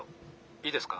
いいですか？